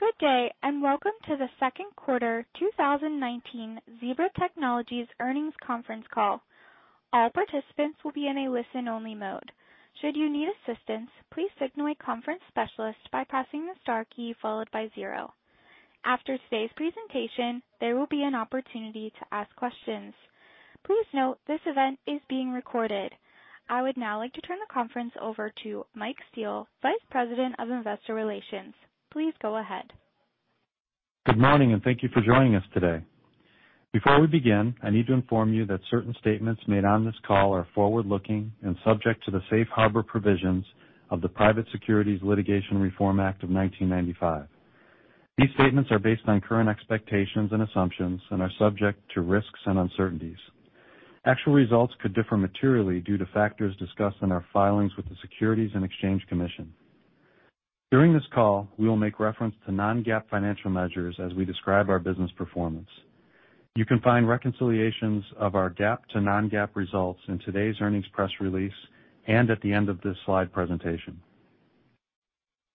Good day and welcome to the Second Quarter 2019 Zebra Technologies Earnings Conference Call. All participants will be in a listen-only mode. Should you need assistance, please signal a conference specialist by pressing the star key followed by zero. After today's presentation, there will be an opportunity to ask questions. Please note this event is being recorded. I would now like to turn the conference over to Mike Steele, Vice President of Investor Relations. Please go ahead. Good morning and thank you for joining us today. Before we begin, I need to inform you that certain statements made on this call are forward-looking and subject to the safe harbor provisions of the Private Securities Litigation Reform Act of 1995. These statements are based on current expectations and assumptions and are subject to risks and uncertainties. Actual results could differ materially due to factors discussed in our filings with the Securities and Exchange Commission. During this call, we will make reference to non-GAAP financial measures as we describe our business performance. You can find reconciliations of our GAAP to non-GAAP results in today's earnings press release and at the end of this slide presentation.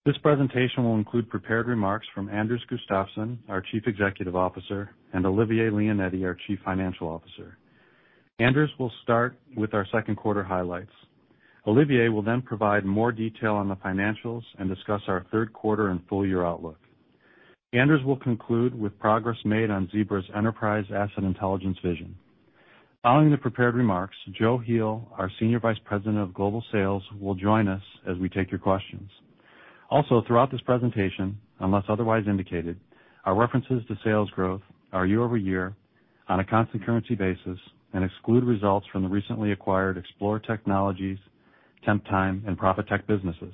This presentation will include prepared remarks from Anders Gustafsson, our Chief Executive Officer, and Olivier Leonetti, our Chief Financial Officer. Anders will start with our second quarter highlights. Olivier will then provide more detail on the financials and discuss our third quarter and full-year outlook. Anders will conclude with progress made on Zebra's enterprise asset intelligence vision. Following the prepared remarks, Joe Heel, our senior vice president of global sales, will join us as we take your questions. Throughout this presentation, unless otherwise indicated, our references to sales growth are year-over-year on a constant currency basis and exclude results from the recently acquired Xplore Technologies, Temptime, and Profitect businesses.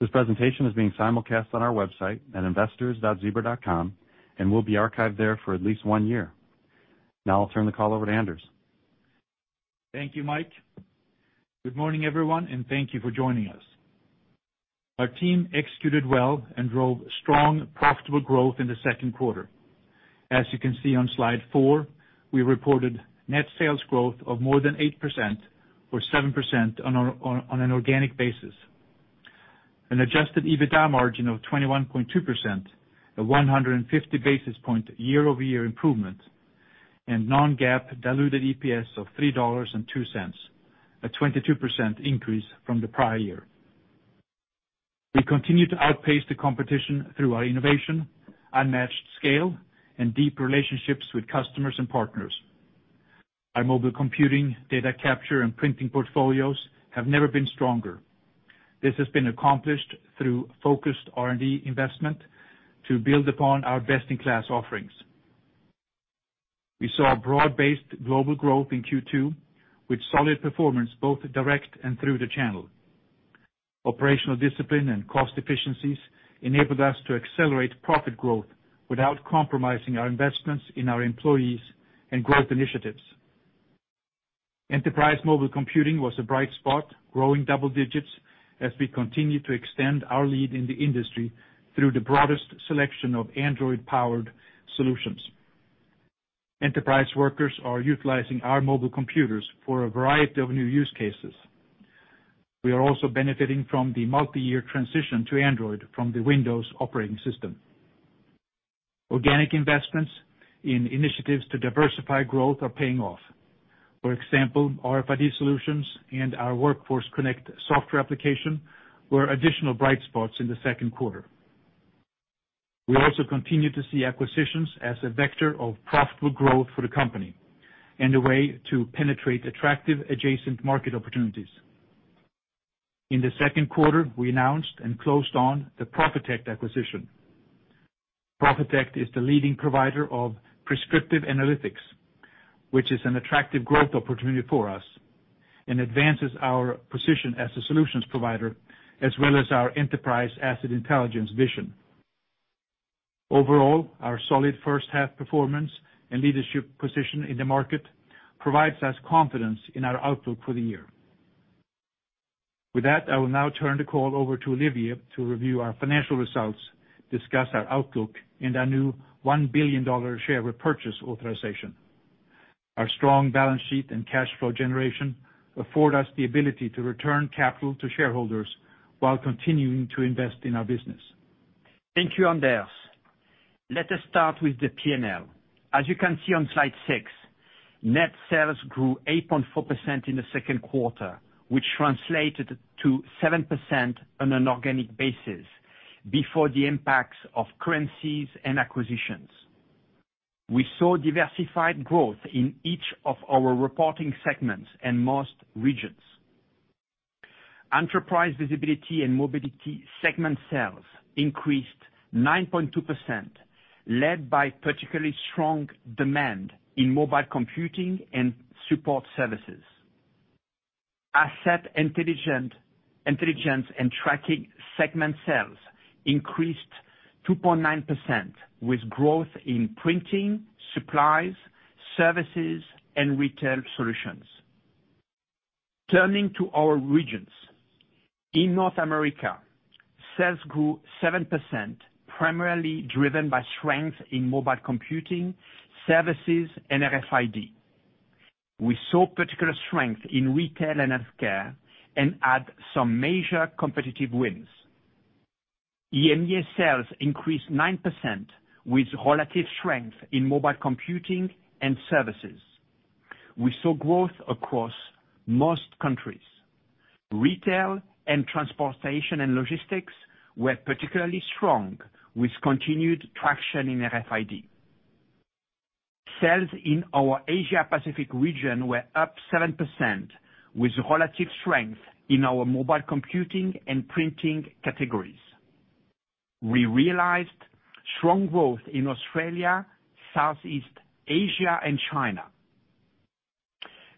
This presentation is being simulcast on our website at investors.zebra.com and will be archived there for at least one year. Now I'll turn the call over to Anders. Thank you, Mike. Good morning, everyone, and thank you for joining us. Our team executed well and drove strong, profitable growth in the second quarter. As you can see on slide four, we reported net sales growth of more than 8% or 7% on an organic basis, an adjusted EBITDA margin of 21.2%, a 150 basis point year-over-year improvement, and non-GAAP diluted EPS of $3.02, a 22% increase from the prior year. We continue to outpace the competition through our innovation, unmatched scale, and deep relationships with customers and partners. Our mobile computing, data capture and printing portfolios have never been stronger. This has been accomplished through focused R&D investment to build upon our best-in-class offerings. We saw broad-based global growth in Q2 with solid performance both direct and through the channel. Operational discipline and cost efficiencies enabled us to accelerate profit growth without compromising our investments in our employees and growth initiatives. Enterprise mobile computing was a bright spot, growing double digits as we continue to extend our lead in the industry through the broadest selection of Android-powered solutions. Enterprise workers are utilizing our mobile computers for a variety of new use cases. We are also benefiting from the multiyear transition to Android from the Windows operating system. Organic investments in initiatives to diversify growth are paying off. For example, RFID solutions and our Workforce Connect software application were additional bright spots in the second quarter. We also continue to see acquisitions as a vector of profitable growth for the company and a way to penetrate attractive adjacent market opportunities. In the second quarter, we announced and closed on the Profitect acquisition. Profitect is the leading provider of prescriptive analytics, which is an attractive growth opportunity for us, and advances our position as a solutions provider, as well as our enterprise asset intelligence vision. Overall, our solid first half performance and leadership position in the market provides us confidence in our outlook for the year. With that, I will now turn the call over to Olivier to review our financial results, discuss our outlook, and our new $1 billion share repurchase authorization. Our strong balance sheet and cash flow generation afford us the ability to return capital to shareholders while continuing to invest in our business. Thank you, Anders. Let us start with the P&L. As you can see on slide six, net sales grew 8.4% in the second quarter, which translated to 7% on an organic basis before the impacts of currencies and acquisitions. We saw diversified growth in each of our reporting segments and most regions. Enterprise Visibility & Mobility segment sales increased 9.2%, led by particularly strong demand in mobile computing and support services. Asset Intelligence & Tracking segment sales increased 2.9%, with growth in printing, supplies, services, and retail solutions. Turning to our regions, in North America, sales grew 7%, primarily driven by strength in mobile computing, services, and RFID. We saw particular strength in retail and healthcare and had some major competitive wins. EMEA sales increased 9% with relative strength in mobile computing and services. We saw growth across most countries. Retail and transportation and logistics were particularly strong, with continued traction in RFID. Sales in our Asia Pacific region were up 7% with relative strength in our mobile computing and printing categories. We realized strong growth in Australia, Southeast Asia, and China.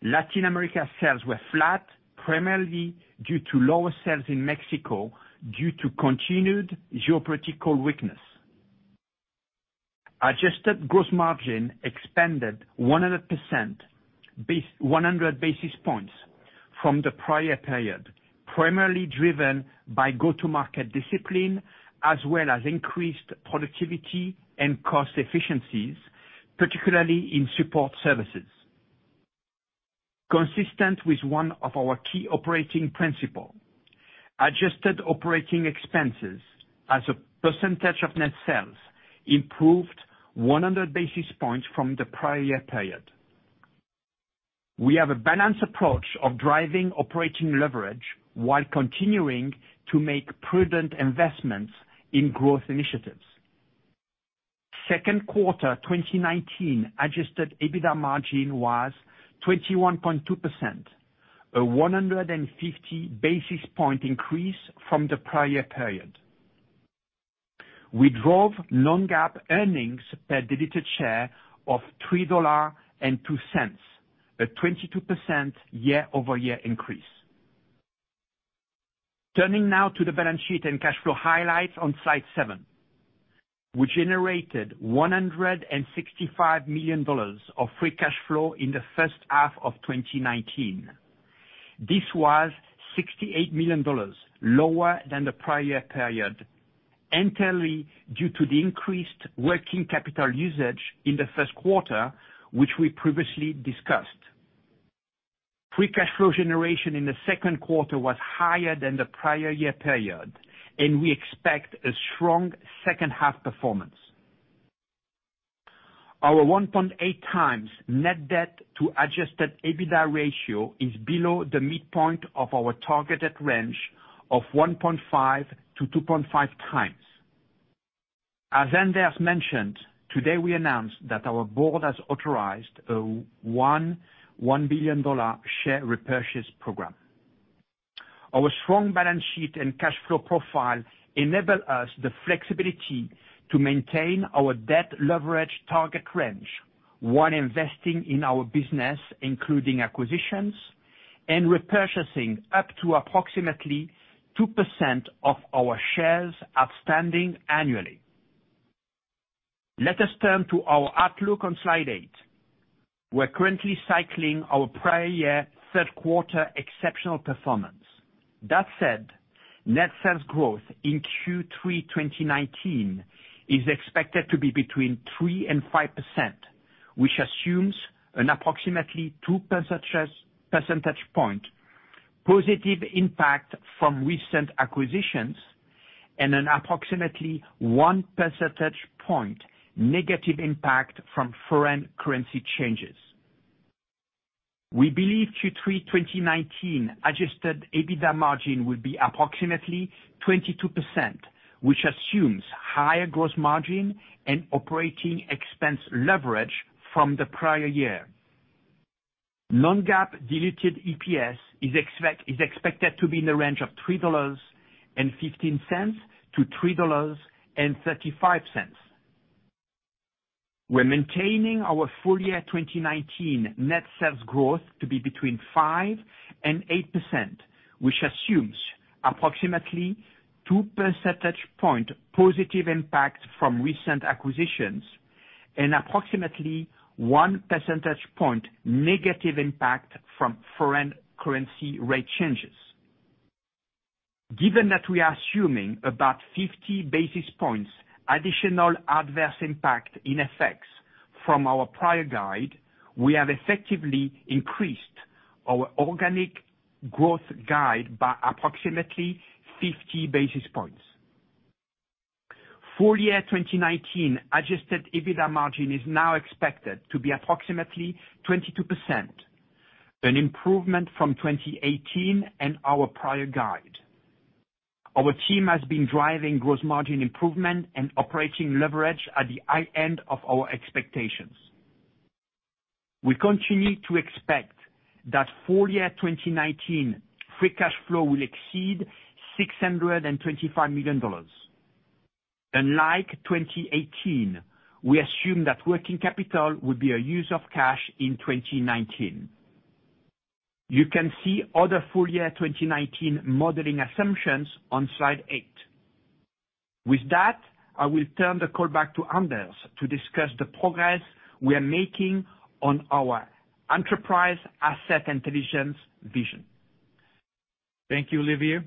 Latin America sales were flat, primarily due to lower sales in Mexico due to continued geopolitical weakness. Adjusted gross margin expanded 100 basis points from the prior period, primarily driven by go-to-market discipline as well as increased productivity and cost efficiencies, particularly in support services. Consistent with one of our key operating principles, adjusted operating expenses as a percentage of net sales improved 100 basis points from the prior period. We have a balanced approach of driving operating leverage while continuing to make prudent investments in growth initiatives. Second quarter 2019 adjusted EBITDA margin was 21.2%, a 150 basis point increase from the prior period. We drove non-GAAP earnings per diluted share of $3.02, a 22% year-over-year increase. Turning now to the balance sheet and cash flow highlights on slide seven. We generated $165 million of free cash flow in the first half of 2019. This was $68 million lower than the prior period, entirely due to the increased working capital usage in the first quarter, which we previously discussed. Free cash flow generation in the second quarter was higher than the prior year period and we expect a strong second-half performance. Our 1.8x net debt to adjusted EBITDA ratio is below the midpoint of our targeted range of 1.5x to 2.5x. As Anders mentioned, today we announced that our board has authorized a $1 billion share repurchase program. Our strong balance sheet and cash flow profile enable us the flexibility to maintain our debt leverage target range while investing in our business, including acquisitions and repurchasing up to approximately 2% of our shares outstanding annually. Let us turn to our outlook on slide eight. We're currently cycling our prior year third quarter exceptional performance. With that said, net sales growth in Q3 2019 is expected to be between 3% and 5%, which assumes an approximately two percentage point positive impact from recent acquisitions and an approximately one percentage point negative impact from foreign currency changes. We believe Q3 2019 adjusted EBITDA margin will be approximately 22%, which assumes higher gross margin and operating expense leverage from the prior year. Non-GAAP diluted EPS is expected to be in the range of $3.15 to $3.35. We're maintaining our full-year 2019 net sales growth to be between 5% and 8%, which assumes approximately 2 percentage point positive impact from recent acquisitions and approximately 1 percentage point negative impact from foreign currency rate changes. Given that we are assuming about 50 basis points additional adverse impact in FX from our prior guide, we have effectively increased our organic growth guide by approximately 50 basis points. Full-year 2019 adjusted EBITDA margin is now expected to be approximately 22%, an improvement from 2018 and our prior guide. Our team has been driving gross margin improvement and operating leverage at the high end of our expectations. We continue to expect that full-year 2019 free cash flow will exceed $625 million. Unlike 2018, we assume that working capital will be a use of cash in 2019. You can see other full-year 2019 modeling assumptions on slide eight. With that, I will turn the call back to Anders to discuss the progress we are making on our enterprise asset intelligence vision. Thank you, Olivier.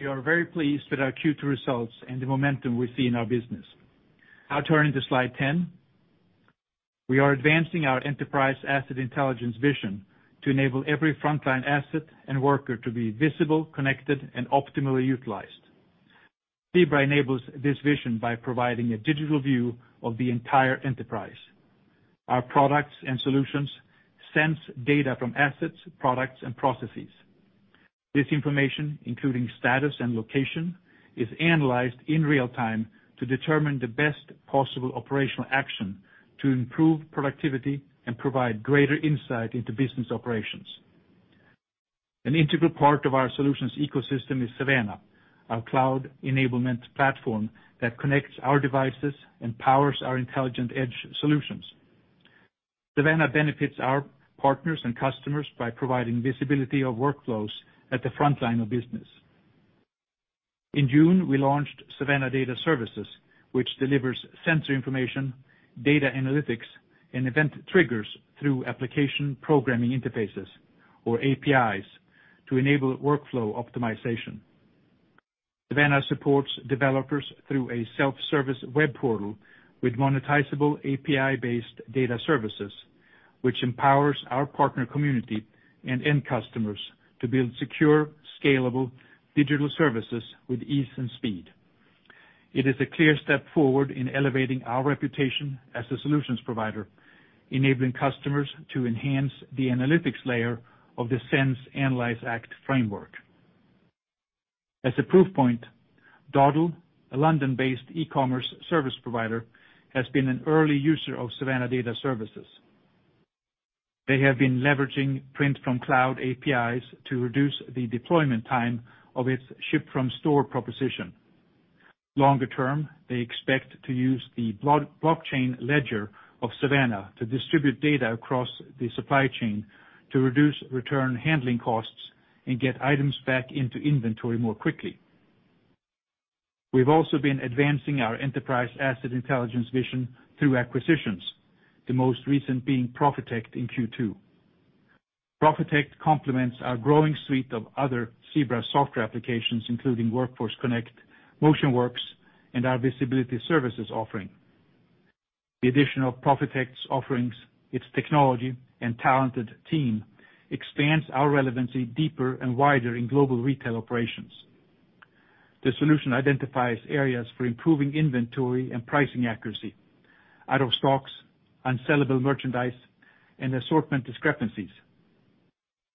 We are very pleased with our Q2 results and the momentum we see in our business. Now turning to slide 10, we are advancing our enterprise asset intelligence vision to enable every frontline asset and worker to be visible, connected, and optimally utilized. Zebra enables this vision by providing a digital view of the entire enterprise. Our products and solutions sense data from assets, products, and processes. This information, including status and location, is analyzed in real time to determine the best possible operational action to improve productivity and provide greater insight into business operations. An integral part of our solutions ecosystem is Savanna, our cloud enablement platform that connects our devices and powers our intelligent edge solutions. Savanna benefits our partners and customers by providing visibility of workflows at the frontline of business. In June, we launched Savanna Data Services, which delivers sensor information, data analytics, and event triggers through application programming interfaces, or APIs, to enable workflow optimization. Savanna supports developers through a self-service web portal with monetizable API-based data services, which empowers our partner community and end customers to build secure, scalable digital services with ease and speed. It is a clear step forward in elevating our reputation as a solutions provider, enabling customers to enhance the analytics layer of the sense, analyze, act framework. As a proof point, Doddle, a London-based e-commerce service provider, has been an early user of Savanna Data Services. They have been leveraging print from cloud APIs to reduce the deployment time of its ship-from-store proposition. Longer term, they expect to use the blockchain ledger of Savanna to distribute data across the supply chain to reduce return handling costs and get items back into inventory more quickly. We've also been advancing our enterprise asset intelligence vision through acquisitions, the most recent being Profitect in Q2. Profitect complements our growing suite of other Zebra software applications, including Workforce Connect, MotionWorks, and our visibility services offering. The addition of Profitect's offerings, its technology, and talented team expands our relevancy deeper and wider in global retail operations. The solution identifies areas for improving inventory and pricing accuracy, out-of-stocks, unsellable merchandise, and assortment discrepancies.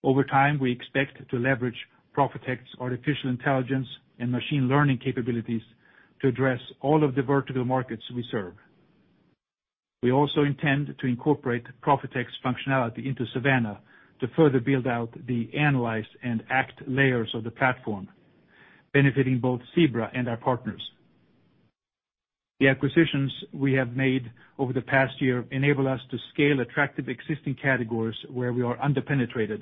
Over time, we expect to leverage Profitect's artificial intelligence and machine learning capabilities to address all of the vertical markets we serve. We also intend to incorporate Profitect's functionality into Savanna to further build out the analyze and act layers of the platform, benefiting both Zebra and our partners. The acquisitions we have made over the past year enable us to scale attractive existing categories where we are underpenetrated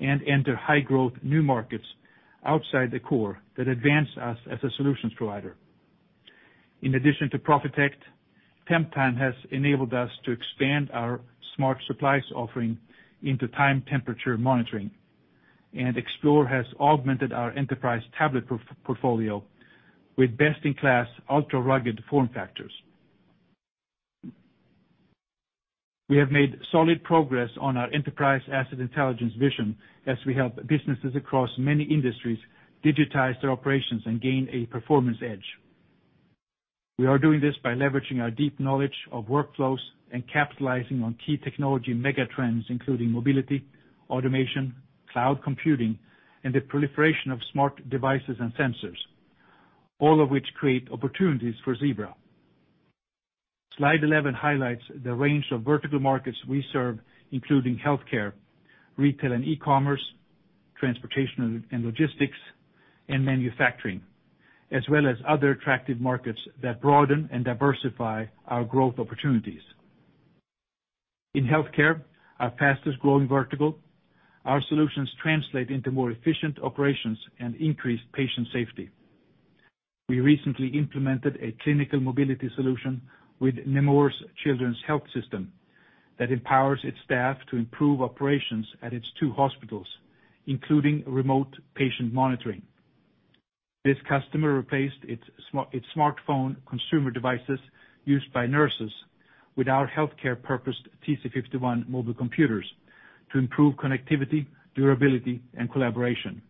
and enter high growth new markets outside the core that advance us as a solutions provider. In addition to Profitect, Temptime has enabled us to expand our smart supplies offering into time temperature monitoring, and Xplore has augmented our enterprise tablet portfolio with best-in-class ultra-rugged form factors. We have made solid progress on our enterprise asset intelligence vision as we help businesses across many industries digitize their operations and gain a performance edge. We are doing this by leveraging our deep knowledge of workflows and capitalizing on key technology mega trends, including mobility, automation, cloud computing, and the proliferation of smart devices and sensors, all of which create opportunities for Zebra. Slide 11 highlights the range of vertical markets we serve, including healthcare, retail and e-commerce, transportation and logistics, and manufacturing, as well as other attractive markets that broaden and diversify our growth opportunities. In healthcare, our fastest-growing vertical, our solutions translate into more efficient operations and increased patient safety. We recently implemented a clinical mobility solution with Nemours Children's Health System that empowers its staff to improve operations at its two hospitals, including remote patient monitoring. This customer replaced its smartphone consumer devices used by nurses with our healthcare purposed TC51 mobile computers to improve connectivity, durability, and collaboration.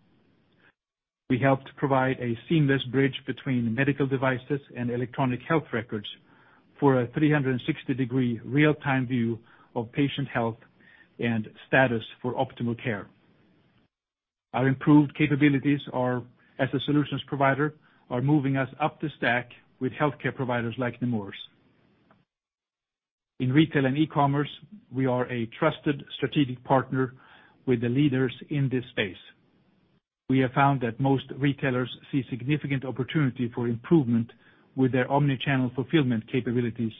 We helped provide a seamless bridge between medical devices and electronic health records for a 360-degree real-time view of patient health and status for optimal care. Our improved capabilities as a solutions provider are moving us up the stack with healthcare providers like Nemours. In retail and e-commerce, we are a trusted strategic partner with the leaders in this space. We have found that most retailers see significant opportunity for improvement with their omni-channel fulfillment capabilities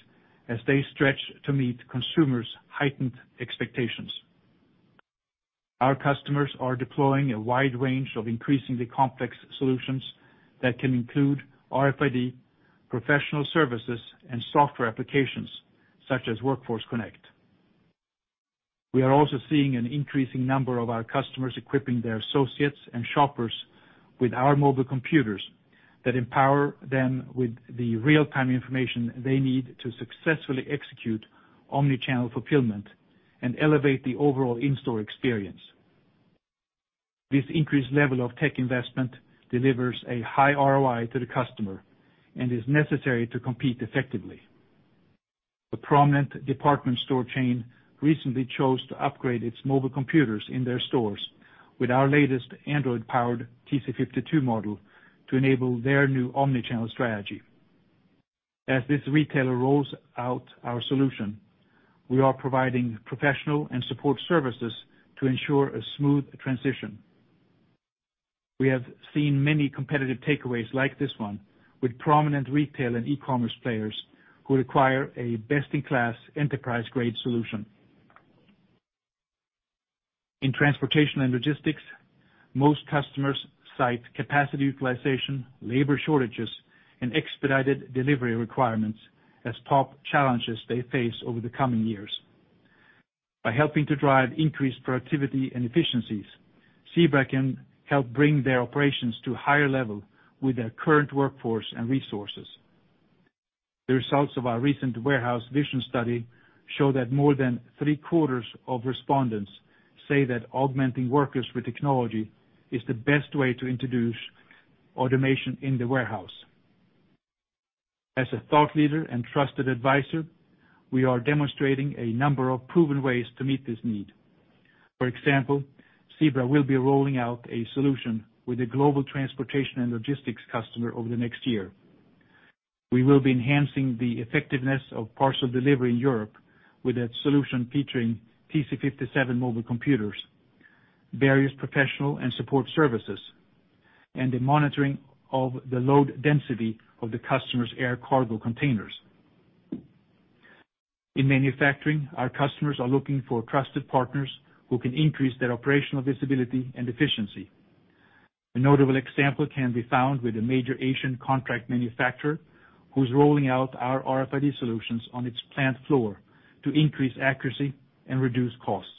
as they stretch to meet consumers' heightened expectations. Our customers are deploying a wide range of increasingly complex solutions that can include RFID, professional services, and software applications such as Workforce Connect. We are also seeing an increasing number of our customers equipping their associates and shoppers with our mobile computers that empower them with the real-time information they need to successfully execute omni-channel fulfillment and elevate the overall in-store experience. This increased level of tech investment delivers a high ROI to the customer and is necessary to compete effectively. A prominent department store chain recently chose to upgrade its mobile computers in their stores with our latest Android-powered TC52 model to enable their new omni-channel strategy. As this retailer rolls out our solution, we are providing professional and support services to ensure a smooth transition. We have seen many competitive takeaways like this one with prominent retail and e-commerce players who require a best-in-class enterprise-grade solution. In transportation and logistics, most customers cite capacity utilization, labor shortages, and expedited delivery requirements as top challenges they face over the coming years. By helping to drive increased productivity and efficiencies, Zebra can help bring their operations to a higher level with their current workforce and resources. The results of our recent warehouse vision study show that more than three-quarters of respondents say that augmenting workers with technology is the best way to introduce automation in the warehouse. As a thought leader and trusted advisor, we are demonstrating a number of proven ways to meet this need. For example, Zebra will be rolling out a solution with a global Transportation and Logistics customer over the next year. We will be enhancing the effectiveness of parcel delivery in Europe with a solution featuring TC57 mobile computers, various professional and support services, and the monitoring of the load density of the customer's air cargo containers. In manufacturing, our customers are looking for trusted partners who can increase their operational visibility and efficiency. A notable example can be found with a major Asian contract manufacturer who's rolling out our RFID solutions on its plant floor to increase accuracy and reduce costs.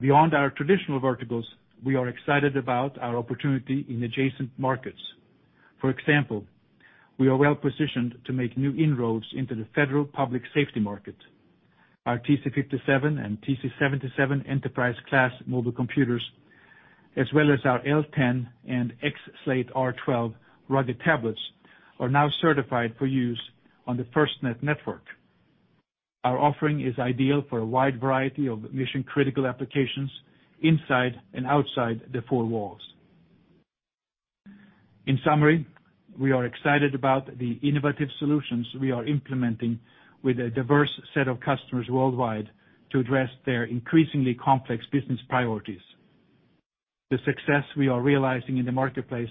Beyond our traditional verticals, we are excited about our opportunity in adjacent markets. For example, we are well-positioned to make new inroads into the federal public safety market. Our TC57 and TC77 enterprise-class mobile computers, as well as our L10 and XSLATE R12 rugged tablets, are now certified for use on the FirstNet network. Our offering is ideal for a wide variety of mission-critical applications inside and outside the four walls. In summary, we are excited about the innovative solutions we are implementing with a diverse set of customers worldwide to address their increasingly complex business priorities. The success we are realizing in the marketplace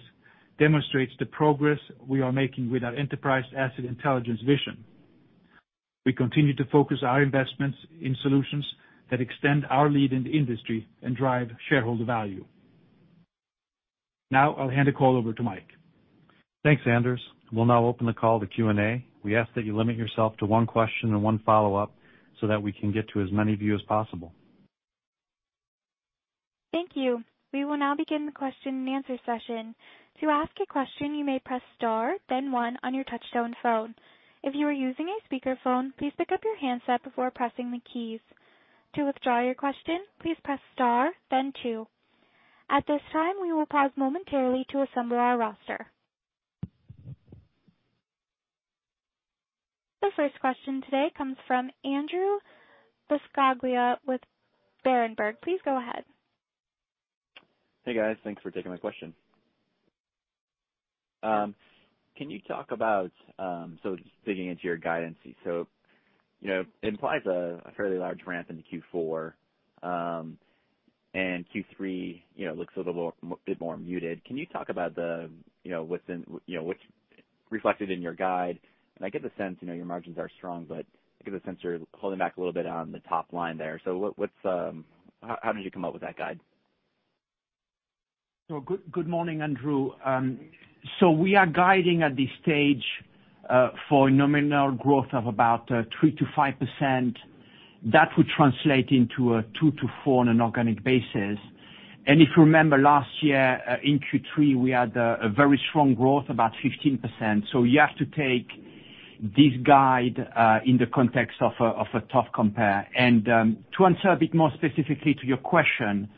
demonstrates the progress we are making with our enterprise asset intelligence vision. We continue to focus our investments in solutions that extend our lead in the industry and drive shareholder value. Now, I'll hand the call over to Mike. Thanks, Anders. We'll now open the call to Q&A. We ask that you limit yourself to one question and one follow-up so that we can get to as many of you as possible. Thank you. We will now begin the question and answer session. To ask a question, you may press star then one on your touchtone phone. If you are using a speakerphone, please pick up your handset before pressing the keys. To withdraw your question, please press star then two. At this time, we will pause momentarily to assemble our roster. The first question today comes from Andrew Buscaglia with Berenberg. Please go ahead. Hey, guys, thanks for taking my question. Can you talk about, just digging into your guidance, it implies a fairly large ramp into Q4, and Q3 looks a bit more muted. Can you talk about what's reflected in your guide? I get the sense your margins are strong, but I get the sense you're holding back a little bit on the top line there. How did you come up with that guide? Good morning, Andrew. We are guiding at this stage for nominal growth of about 3% to 5%. That would translate into a 2% to 4% on an organic basis. If you remember last year in Q3, we had a very strong growth, about 15%. You have to take this guide in the context of a tough compare. To answer a bit more specifically to your question,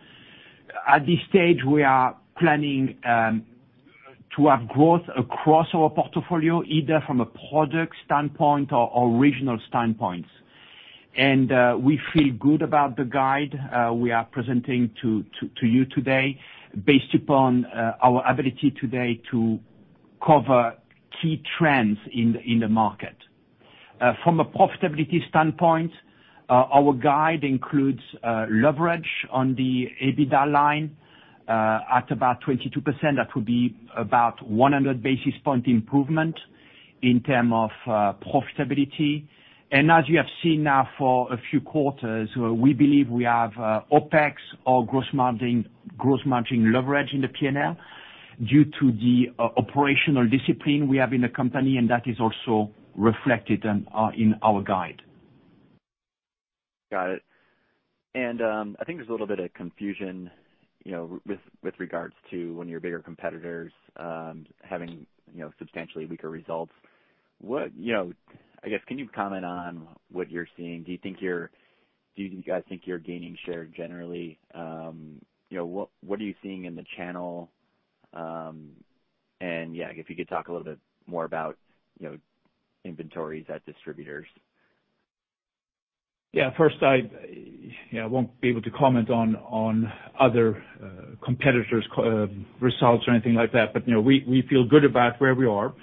at this stage, we are planning to have growth across our portfolio, either from a product standpoint or regional standpoints. We feel good about the guide we are presenting to you today based upon our ability today to cover key trends in the market. From a profitability standpoint, our guide includes leverage on the EBITDA line at about 22%. That would be about 100 basis point improvement in term of profitability, and as you have seen now for a few quarters, we believe we have OpEx or gross margin leverage in the P&L due to the operational discipline we have in the company, and that is also reflected in our guide. Got it. I think there's a little bit of confusion, you know, with regards to one of your bigger competitors having substantially weaker results. I guess, can you comment on what you're seeing? Do you guys think you're gaining share generally? What are you seeing in the channel? Yeah, if you could talk a little bit more about inventories at distributors. Yeah. I won't be able to comment on other competitors' results or anything like that. We feel good about where we are.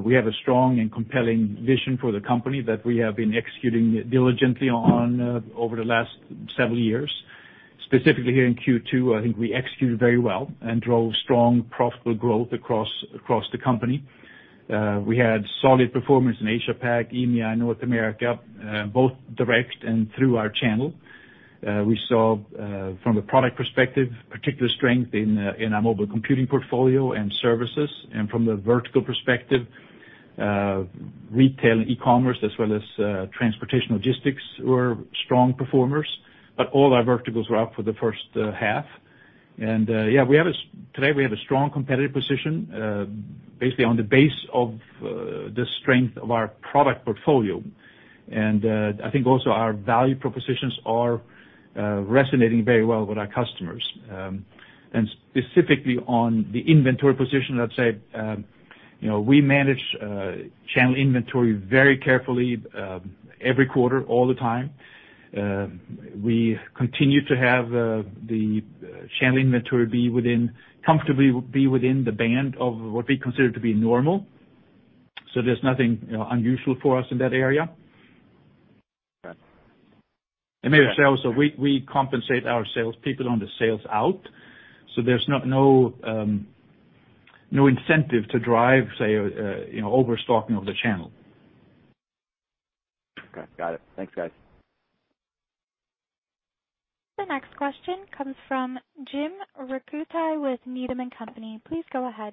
We have a strong and compelling vision for the company that we have been executing diligently on over the last several years. Specifically here in Q2, I think we executed very well and drove strong profitable growth across the company. We had solid performance in Asia Pac, EMEA, and North America, both direct and through our channel. We saw from a product perspective, particular strength in our mobile computing portfolio and services. From the vertical perspective, retail and e-commerce as well as transportation logistics were strong performers. All our verticals were up for the first half. Today we have a strong competitive position basically on the base of the strength of our product portfolio. I think also our value propositions are resonating very well with our customers. Specifically on the inventory position, I'd say we manage channel inventory very carefully, every quarter, all the time. We continue to have the channel inventory comfortably be within the band of what we consider to be normal. There's nothing unusual for us in that area. Okay. Maybe sales, so we compensate our salespeople on the sales out, so there's no incentive to drive, say, overstocking of the channel. Okay, got it. Thanks, guys. The next question comes from Jim Ricchiuti with Needham & Company. Please go ahead.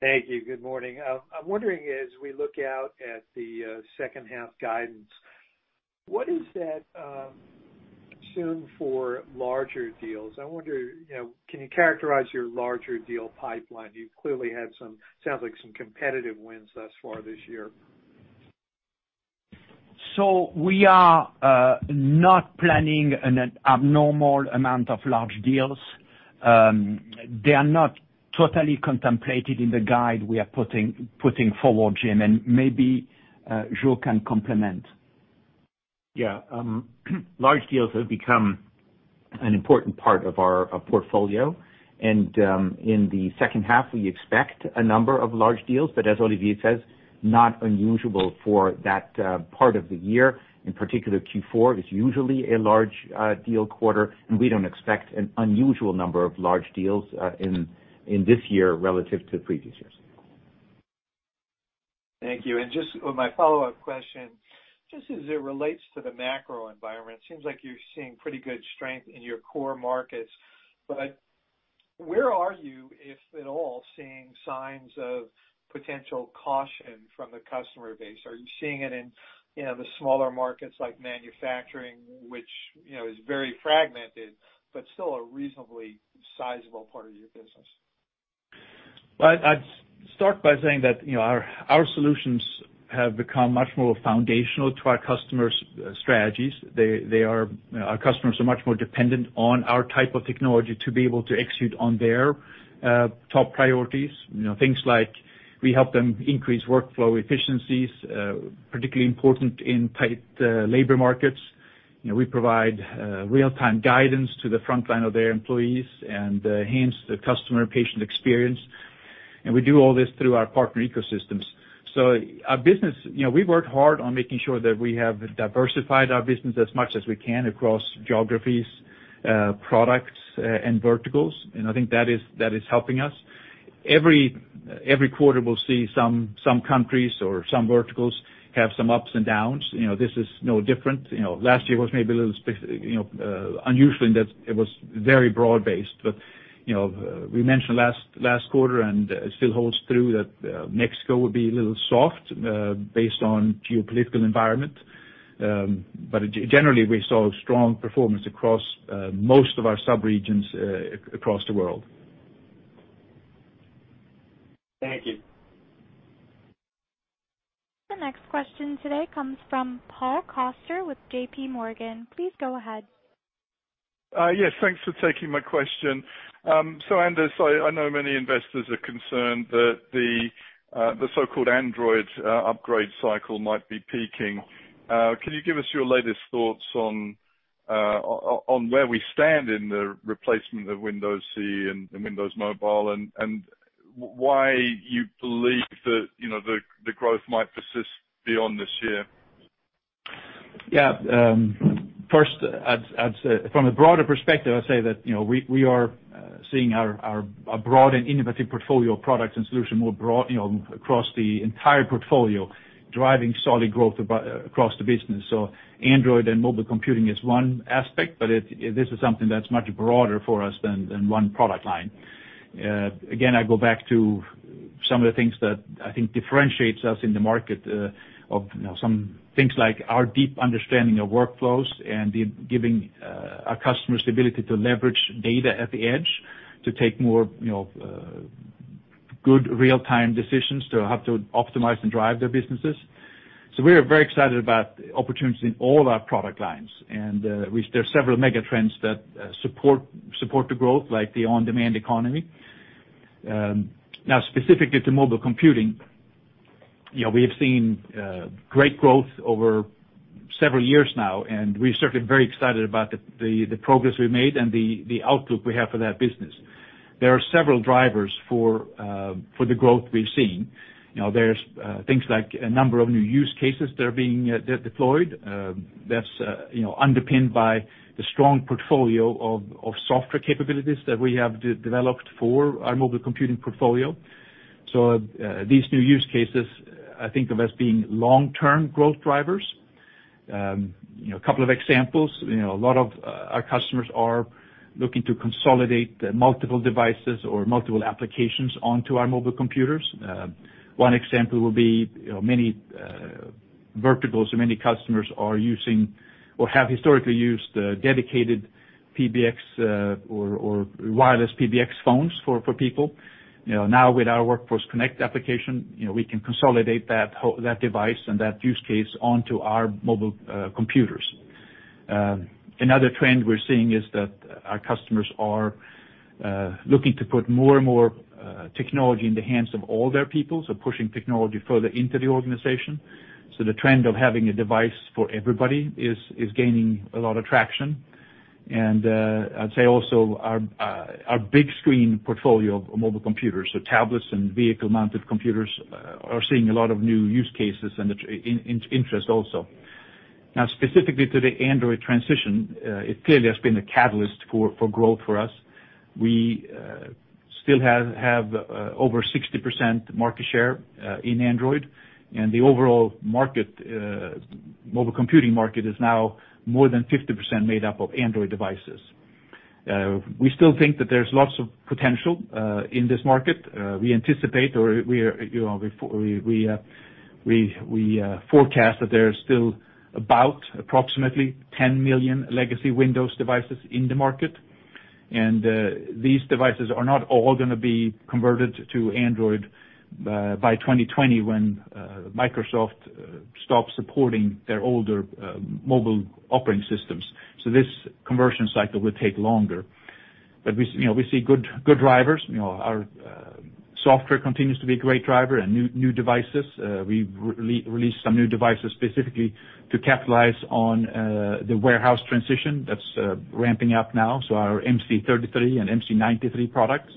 Thank you. Good morning. I'm wondering, as we look out at the second half guidance, what is that assumed for larger deals? I wonder, can you characterize your larger deal pipeline? You've clearly had, sounds like some competitive wins thus far this year. We are not planning an abnormal amount of large deals. They are not totally contemplated in the guide we are putting forward, Jim, and maybe Joe can complement. Yeah. Large deals have become an important part of our portfolio. In the second half, we expect a number of large deals. As Olivier says, not unusual for that part of the year. In particular, Q4 is usually a large deal quarter, and we don't expect an unusual number of large deals in this year relative to previous years. Thank you and just my follow-up question, just as it relates to the macro environment, seems like you're seeing pretty good strength in your core markets, but where are you, if at all, seeing signs of potential caution from the customer base? Are you seeing it in the smaller markets like manufacturing, which is very fragmented, but still a reasonably sizable part of your business? Well, I'd start by saying that our solutions have become much more foundational to our customers' strategies. Our customers are much more dependent on our type of technology to be able to execute on their top priorities, you know, things like we help them increase workflow efficiencies, particularly important in tight labor markets. We provide real-time guidance to the front line of their employees and enhance the customer patient experience. We do all this through our partner ecosystems. Our business, we've worked hard on making sure that we have diversified our business as much as we can across geographies, products, and verticals, and I think that is helping us. Every quarter, we'll see some countries or some verticals have some ups and downs. This is no different. Last year was maybe a little unusual in that it was very broad-based. We mentioned last quarter, and it still holds true, that Mexico would be a little soft based on geopolitical environment. Generally, we saw strong performance across most of our sub-regions across the world. Thank you. The next question today comes from Paul Coster with J.P. Morgan. Please go ahead. Yes, thanks for taking my question. Anders, I know many investors are concerned that the so-called Android upgrade cycle might be peaking. Can you give us your latest thoughts on where we stand in the replacement of Windows CE and Windows Mobile, and why you believe that the growth might persist beyond this year? First I'd say from a broader perspective, I'd say that we are seeing our broad and innovative portfolio of products and solution more broad, across the entire portfolio, driving solid growth across the business. Android and mobile computing is one aspect, but this is something that's much broader for us than one product line. Again, I go back to some of the things that, I think, differentiates us in the market of, you know, some things like our deep understanding of workflows, and giving our customers the ability to leverage data at the edge to take more, you know, good real-time decisions to help to optimize and drive their businesses. We're very excited about the opportunities in all our product lines, and there are several mega trends that support the growth, like the on-demand economy. Now, specifically, to mobile computing, you know, we have seen great growth over several years now, and we're certainly very excited about the progress we've made and the outlook we have for that business. There are several drivers for the growth we've seen. There's things like a number of new use cases that are being deployed. That's, you know, underpinned by the strong portfolio of software capabilities that we have developed for our mobile computing portfolio. These new use cases, I think of as being long-term growth drivers. You know, a couple of examples, a lot of our customers are looking to consolidate multiple devices or multiple applications onto our mobile computers. One example will be many verticals, many customers are using or have historically used dedicated PBX, or wireless PBX phones for people. Now with our Workforce Connect application, you know, we can consolidate that device and that use case onto our mobile computers. Another trend we're seeing is that our customers are looking to put more and more technology in the hands of all their people, pushing technology further into the organization. The trend of having a device for everybody is gaining a lot of traction. I'd say also our big screen portfolio of mobile computers, so tablets and vehicle-mounted computers, are seeing a lot of new use cases and interest also. Specifically to the Android transition, it clearly has been a catalyst for growth for us. We still have over 60% market share in Android, and the overall mobile computing market is now more than 50% made up of Android devices. We still think that there's lots of potential in this market. We anticipate or we forecast that there are still about approximately 10 million legacy Windows devices in the market. These devices are not all going to be converted to Android by 2020 when Microsoft stops supporting their older mobile operating systems. This conversion cycle will take longer but we see good drivers, our software continues to be a great driver, and new devices. We've released some new devices specifically to capitalize on the warehouse transition that's ramping up now. Our MC33 and MC93 products.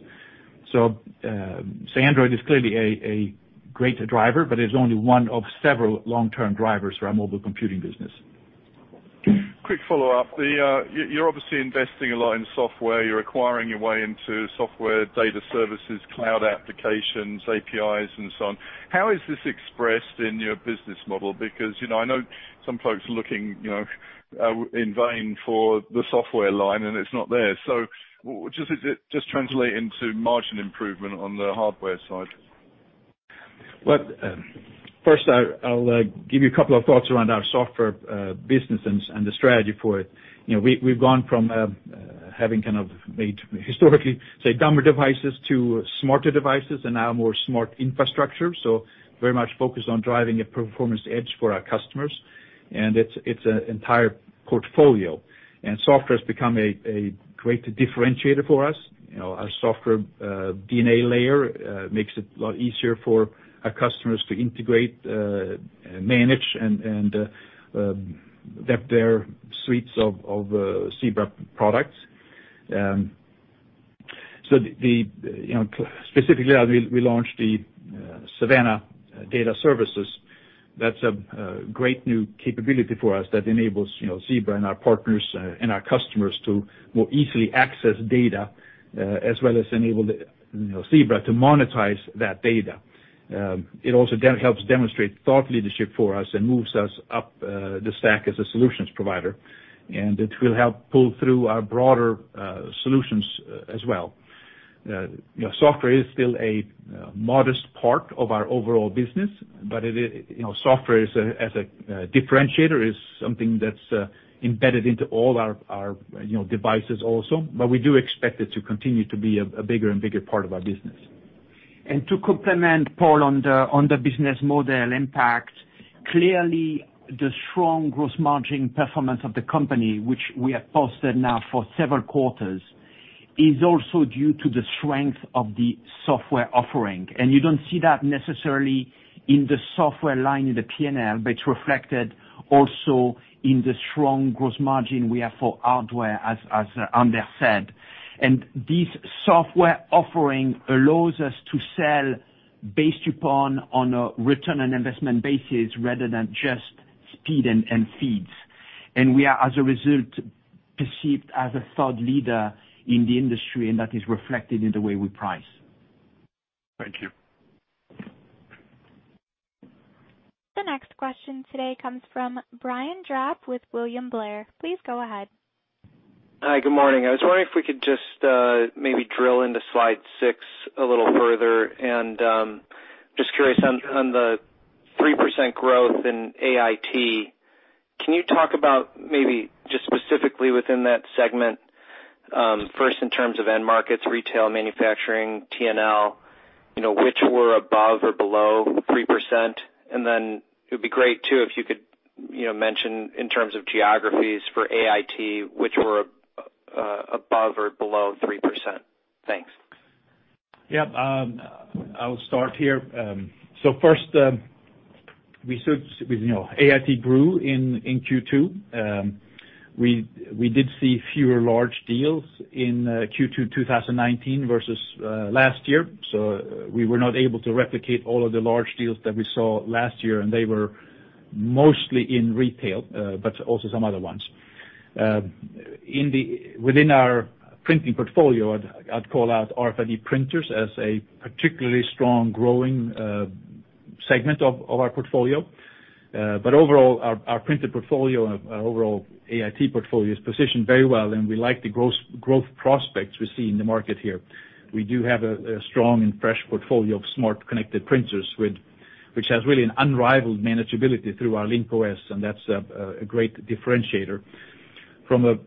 Android is clearly a great driver, but it's only one of several long-term drivers for our mobile computing business. Quick follow-up. You're obviously investing a lot in software. You're acquiring your way into software data services, cloud applications, APIs, and so on. How is this expressed in your business model? I know some folks are looking in vain for the software line, and it's not there. Does it just translate into margin improvement on the hardware side? Well, first, I'll give you a couple of thoughts around our software business and the strategy for it. We've gone from having kind of made, historically, say, dumber devices to smarter devices and now a more smart infrastructure. Very much focused on driving a performance edge for our customers. It's an entire portfolio. Software has become a great differentiator for us. Our software DNA layer makes it a lot easier for our customers to integrate, manage, and adapt their suites of Zebra products, specifically, we launched the Savanna Data Services. That's a great new capability for us that enables Zebra and our partners and our customers to more easily access data, as well as enable Zebra to monetize that data. It also helps demonstrate thought leadership for us and moves us up the stack as a solutions provider. It will help pull through our broader solutions as well. Software is still a modest part of our overall business, but software, as a differentiator, is something that's embedded into all our devices also. We do expect it to continue to be a bigger and bigger part of our business. To complement Paul on the business model impact, clearly the strong gross margin performance of the company, which we have posted now for several quarters, is also due to the strength of the software offering. You don't see that necessarily in the software line in the P&L, but it's reflected also in the strong gross margin we have for hardware, as Anders said, and this software offering allows us to sell based upon a return on investment basis rather than just speed and feeds. We are, as a result, perceived as a thought leader in the industry, and that is reflected in the way we price. Thank you. The next question today comes from Brian Drab with William Blair. Please go ahead. Hi, good morning. I was wondering if we could just maybe drill into slide six a little further and just curious on the 3% growth in AIT. Can you talk about maybe just specifically within that segment, first in terms of end markets, retail, manufacturing, T&L, which were above or below 3%? Then it would be great too if you could mention in terms of geographies for AIT, which were above or below 3%? Thanks. Yeah. I'll start here, so first, AIT grew in Q2. We did see fewer large deals in Q2 2019 versus last year, we were not able to replicate all of the large deals that we saw last year, they were mostly in retail, also some other ones. Within our printing portfolio, I'd call out RFID printers as a particularly strong growing segment of our portfolio. Overall, our printed portfolio and our overall AIT portfolio is positioned very well, we like the growth prospects we see in the market here. We do have a strong and fresh portfolio of smart connected printers, which has really an unrivaled manageability through our Link-OS, that's a great differentiator. From a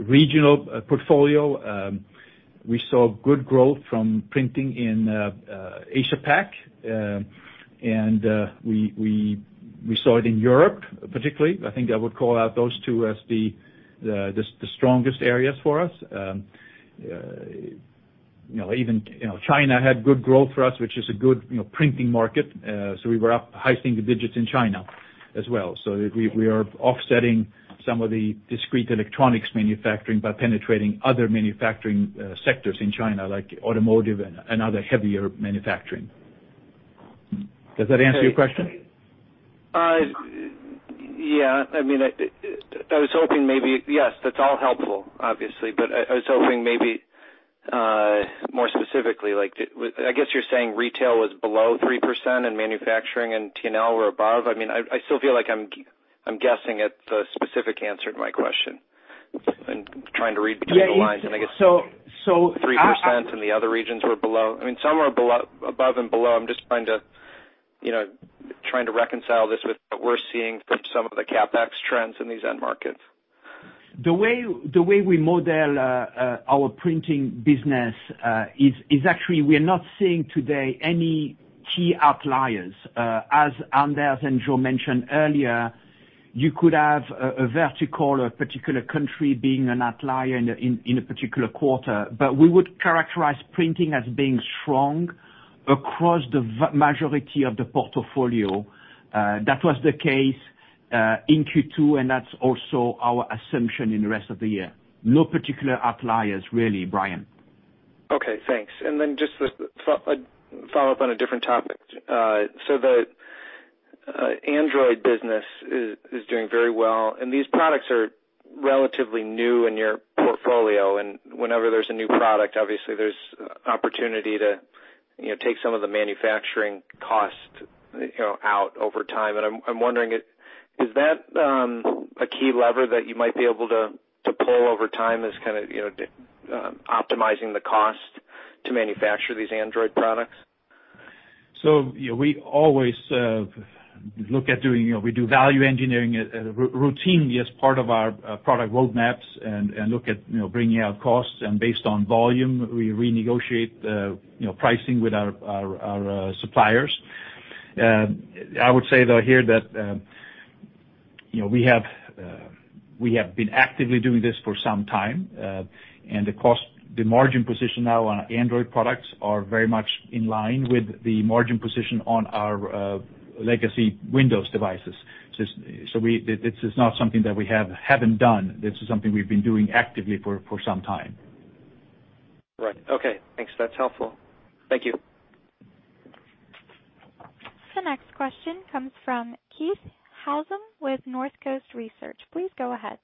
regional portfolio, we saw good growth from printing in Asia-Pac, we saw it in Europe particularly. I think I would call out those two as the strongest areas for us. Even China had good growth for us, which is a good printing market. We were up high single digits in China as well. We are offsetting some of the discrete electronics manufacturing by penetrating other manufacturing sectors in China, like automotive and other heavier manufacturing. Does that answer your question? Yeah. I was hoping. Yes, that's all helpful, obviously, but I was hoping maybe more specifically. I guess you're saying retail was below 3% and manufacturing and T&L were above. I still feel like I'm guessing at the specific answer to my question and trying to read between the lines. Yeah. I guess 3% and the other regions were below. Some were above and below. I'm just trying to reconcile this with what we're seeing from some of the CapEx trends in these end markets. The way we model our printing business is actually we are not seeing today any key outliers. As Anders and Joe mentioned earlier, you could have a vertical or a particular country being an outlier in a particular quarter. We would characterize printing as being strong across the majority of the portfolio. That was the case in Q2, and that's also our assumption in the rest of the year. No particular outliers, really, Brian. Okay, thanks, then just a follow-up on a different topic. The Android business is doing very well, and these products are relatively new in your portfolio, and whenever there's a new product, obviously there's opportunity to take some of the manufacturing costs, you know, out over time. I'm wondering, is that a key lever that you might be able to pull over time as kind of optimizing the cost to manufacture these Android products? We always look at doing value engineering routinely as part of our product roadmaps and look at bringing out costs, and based on volume, we renegotiate pricing with our suppliers. I would say, though, here that we have been actively doing this for some time, and the margin position now on our Android products are very much in line with the margin position on our legacy Windows devices. This is not something that we haven't done. This is something we've been doing actively for some time. Right. Okay, thanks. That's helpful. Thank you. The next question comes from Keith Housum with Northcoast Research. Please go ahead.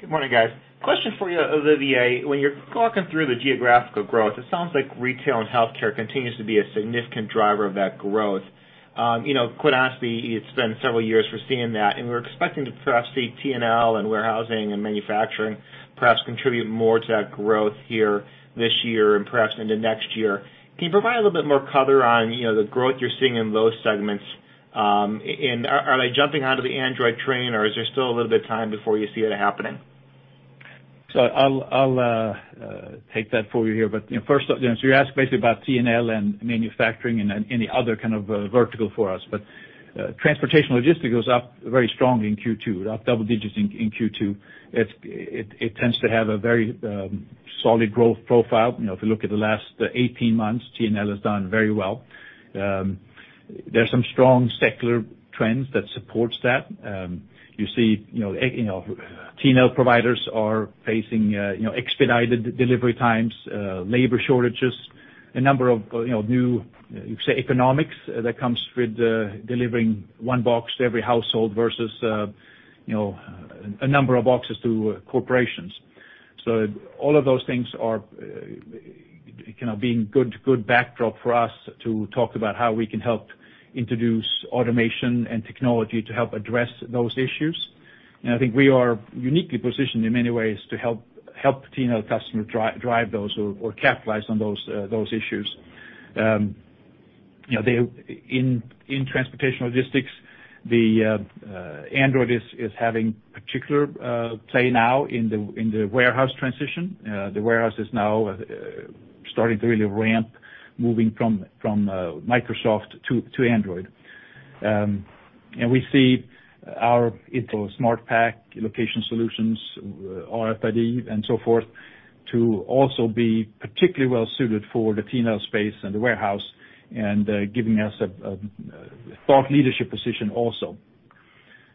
Good morning, guys, a question for you, Olivier. When you're talking through the geographical growth, it sounds like retail and healthcare continues to be a significant driver of that growth. Quite honestly, it's been several years for seeing that, and we're expecting to perhaps see T&L and warehousing and manufacturing perhaps contribute more to that growth here this year and perhaps into next year. Can you provide a little bit more color on the growth you're seeing in those segments, and are they jumping onto the Android train, or is there still a little bit of time before you see it happening? I'll take that for you here. First, you asked basically about T&L and manufacturing and any other kind of vertical for us. Transportation logistics was up very strongly in Q2, up double digits in Q2. It tends to have a very solid growth profile. If you look at the last 18 months, T&L has done very well. There's some strong secular trends that supports that. You see T&L providers are facing expedited delivery times, labor shortages, a number of new, you could say, economics that comes with delivering one box to every household versus a number of boxes to corporations. All of those things are being good backdrop for us to talk about how we can help introduce automation and technology to help address those issues. I think we are uniquely positioned in many ways to help the customer drive those, or capitalize on those issues. In transportation logistics, the Android is having particular play now in the warehouse transition. The warehouse is now starting to really ramp, moving from Microsoft to Android. We see our intelligent SmartPack location solutions, RFID, and so forth, to also be particularly well-suited for the retail space and the warehouse, and giving us a thought leadership position also.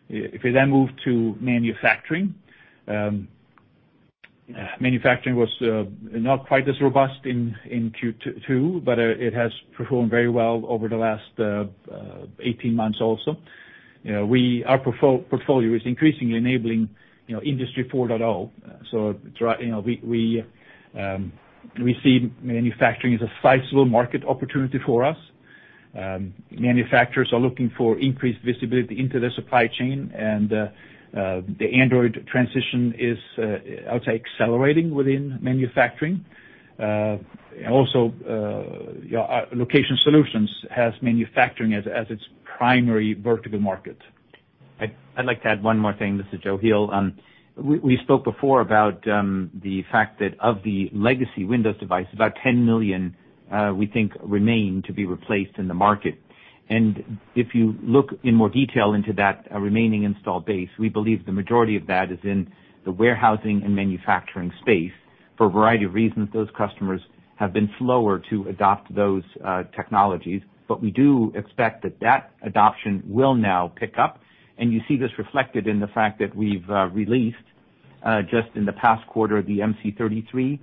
If we move to manufacturing. Manufacturing was not quite as robust in Q2, but it has performed very well over the last 18 months also. Our portfolio is increasingly enabling Industry 4.0. We see manufacturing as a sizable market opportunity for us. Manufacturers are looking for increased visibility into their supply chain, the Android transition is, I would say, accelerating within manufacturing. Location Solutions has manufacturing as its primary vertical market. I'd like to add one more thing. This is Joe Heel. We spoke before about the fact that of the legacy Windows device, about 10 million, we think, remain to be replaced in the market. If you look in more detail into that remaining installed base, we believe the majority of that is in the warehousing and manufacturing space. For a variety of reasons, those customers have been slower to adopt those technologies. We do expect that that adoption will now pick up. You see this reflected in the fact that we've released, just in the past quarter, the MC93,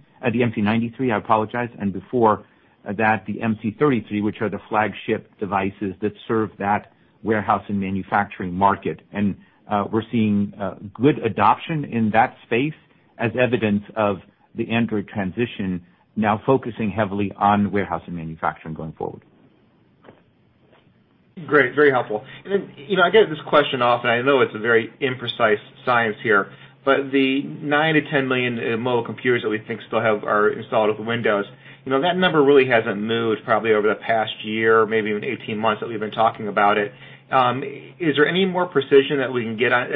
and before that, the MC33, which are the flagship devices that serve that warehouse and manufacturing market. We're seeing good adoption in that space as evidence of the Android transition now focusing heavily on warehouse and manufacturing going forward. Great, very helpful, you know I get this question often, I know it's a very imprecise science here, but the nine to 10 million mobile computers that we think still are installed with Windows, you know, that number really hasn't moved probably over the past year, maybe even 18 months that we've been talking about it. Is there any more precision that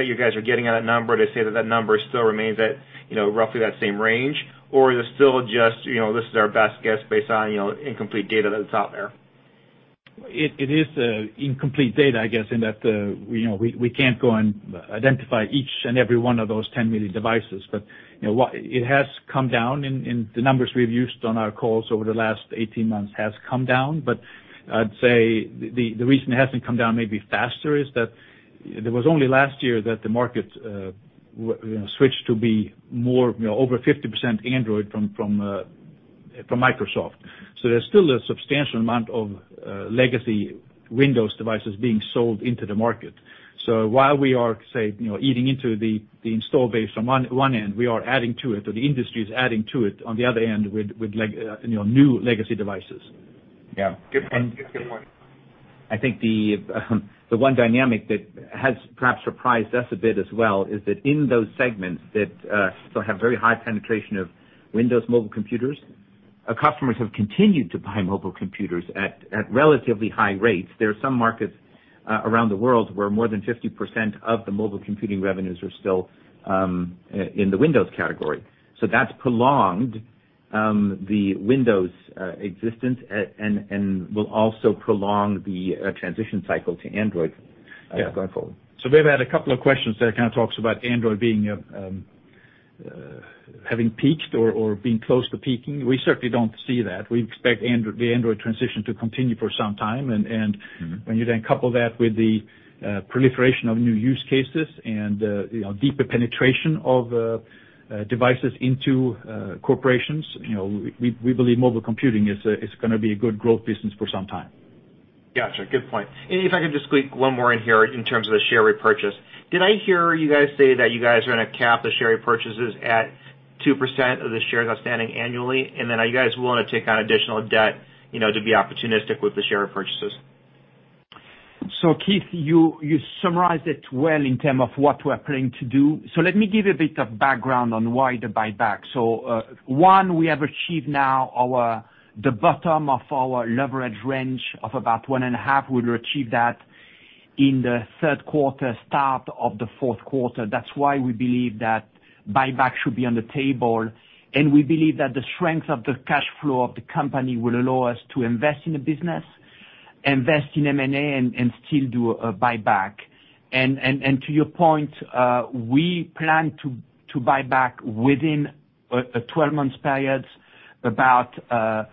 you guys are getting on that number to say that that number still remains at roughly that same range? Is it still just, this is our best guess based on incomplete data that's out there? It is incomplete data, I guess, in that we can't go and identify each and every one of those 10 million devices. It has come down, and the numbers we've used on our calls over the last 18 months has come down. I'd say the reason it hasn't come down maybe faster is that it was only last year that the market, you know, switched to be more, over 50% Android from Microsoft. There's still a substantial amount of legacy Windows devices being sold into the market. While we are, say, eating into the install base on one end, we are adding to it, or the industry is adding to it on the other end with new legacy devices. Yeah. Good point. I think the one dynamic that has perhaps surprised us a bit as well, is that in those segments that still have very high penetration of Windows mobile computers, our customers have continued to buy mobile computers at relatively high rates. There are some markets around the world where more than 50% of the mobile computing revenues are still in the Windows category. That's prolonged the Windows existence, and will also prolong the transition cycle to Android going forward. We've had a couple of questions that kind of talks about Android having peaked or being close to peaking. We certainly don't see that. We expect the Android transition to continue for some time, and when you then couple that with the proliferation of new use cases and deeper penetration of devices into corporations, you know, we believe mobile computing is going to be a good growth business for some time. Yeah, sure, good point, and if I could just squeak one more in here in terms of the share repurchase, did I hear you guys say that you guys are going to cap the share repurchases at 2% of the shares outstanding annually? Then are you guys willing to take on additional debt to be opportunistic with the share repurchases? Keith, you summarized it well in terms of what we're planning to do. Let me give a bit of background on why the buyback. One, we have achieved now the bottom of our leverage range of about one and a half. We'll achieve that in the third quarter, start of the fourth quarter. That's why we believe that buyback should be on the table. We believe that the strength of the cash flow of the company will allow us to invest in the business, invest in M&A, and still do a buyback. To your point, we plan to buy back within a 12 months periods, about 2%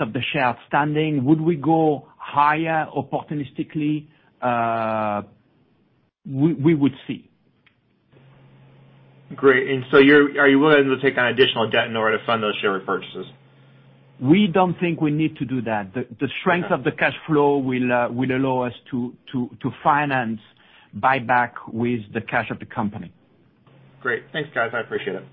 of the shares outstanding. Would we go higher opportunistically? We would see. Great and are you willing to take on additional debt in order to fund those share repurchases? We don't think we need to do that. The strength of the cash flow will allow us to finance buyback with the cash of the company. Great. Thanks, guys. I appreciate it.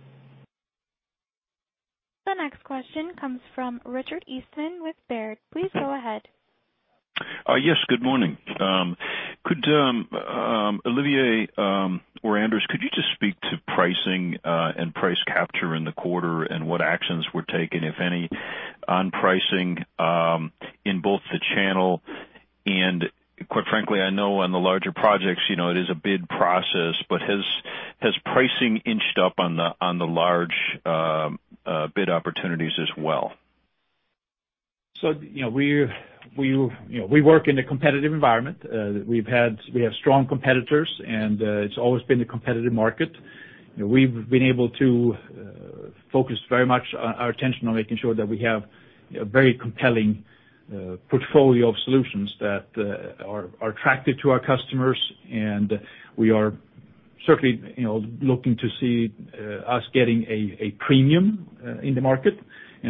The next question comes from Richard Eastman with Baird. Please go ahead. Yes, good morning. Olivier or Anders, could you just speak to pricing and price capture in the quarter and what actions were taken, if any, on pricing in both the channel and, quite frankly, I know on the larger projects, you know, it is a bid process, but has pricing inched up on the large bid opportunities as well? We work in a competitive environment. We have strong competitors, and it's always been a competitive market. We've been able to focus very much our attention on making sure that we have a very compelling portfolio of solutions that are attractive to our customers, and we are, certainly, you know, looking to see us getting a premium in the market.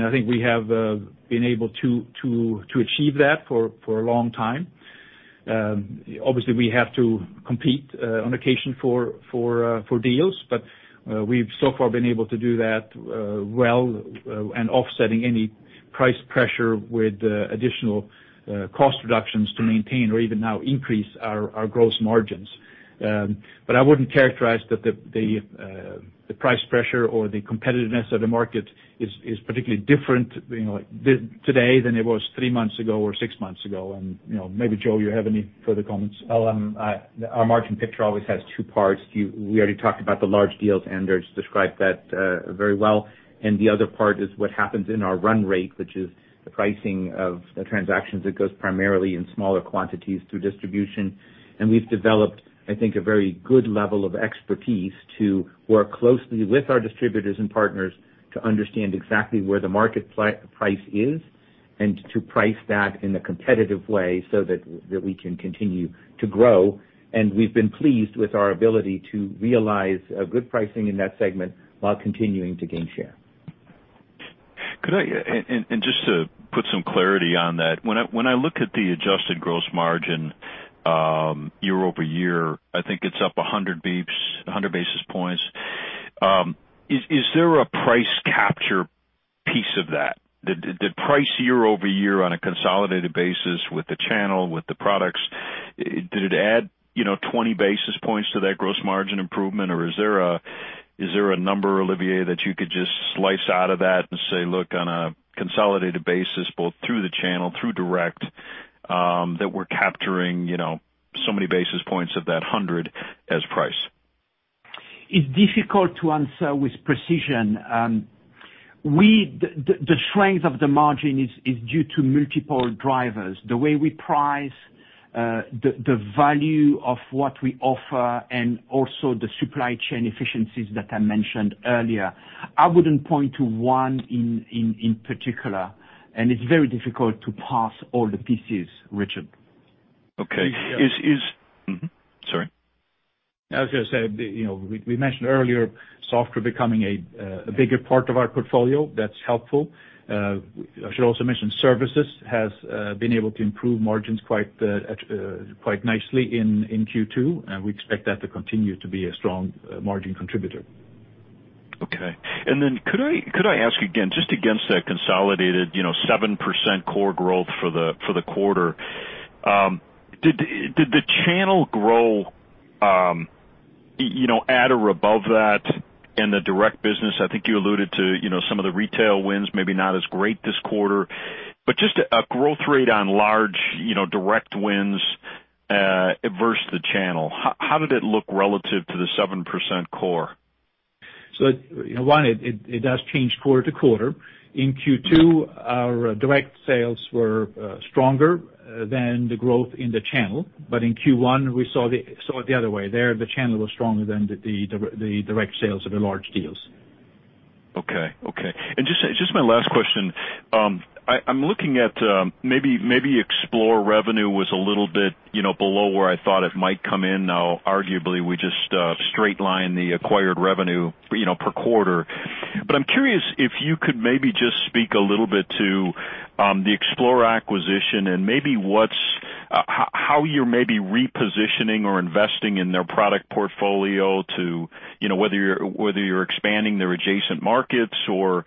I think we have been able to achieve that for a long time. Obviously, we have to compete on occasion for deals, but we've so far been able to do that well, and offsetting any price pressure with additional cost reductions to maintain or even now increase our gross margins. I wouldn't characterize that the price pressure or the competitiveness of the market is particularly different today than it was three months ago or six months ago, and maybe, Joe, you have any further comments. Our margin picture always has two parts. We already talked about the large deals. Anders described that very well. The other part is what happens in our run rate, which is the pricing of the transactions that goes primarily in smaller quantities through distribution. We've developed, I think, a very good level of expertise to work closely with our distributors and partners to understand exactly where the market price is and to price that in a competitive way so that we can continue to grow. We've been pleased with our ability to realize good pricing in that segment while continuing to gain share. Just to put some clarity on that, when I look at the adjusted gross margin year over year, I think it's up 100 basis points, 100 basis points. Is there a price capture piece of that? Did price year over year on a consolidated basis with the channel, with the products, did it add, you know, 20 basis points to that gross margin improvement, or is there a number, Olivier, that you could just slice out of that and say, look, on a consolidated basis, both through the channel, through direct, that we're capturing so many basis points of that 100 as price? It's difficult to answer with precision. The strength of the margin is due to multiple drivers. The way we price, the value of what we offer, and also the supply chain efficiencies that I mentioned earlier. I wouldn't point to one in particular, and it's very difficult to parse all the pieces, Richard. Okay. Sorry. As I said, you know, we mentioned earlier, software becoming a bigger part of our portfolio. That's helpful. I should also mention services has been able to improve margins quite nicely in Q2. We expect that to continue to be a strong margin contributor. Okay, and then could I ask you again, just against that consolidated 7% core growth for the quarter, did the channel grow at or above that in the direct business? I think you alluded to some of the retail wins, maybe not as great this quarter, but just a growth rate on large direct wins versus the channel. How did it look relative to the 7% core? One, it does change quarter to quarter. In Q2, our direct sales were stronger than the growth in the channel. In Q1, we saw it the other way. There, the channel was stronger than the direct sales of the large deals. Okay, okay, and just my last question, I'm looking at maybe Xplore revenue was a little bit below where I thought it might come in. Now, arguably, we just straight lined the acquired revenue, you know, per quarter. But I'm curious if you could maybe just speak a little bit to the Xplore acquisition and maybe how you're maybe repositioning or investing in their product portfolio to, you know, whether you're expanding their adjacent markets, or